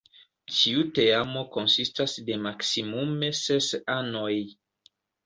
Ĉiu teamo konsistas de maksimume ses anoj.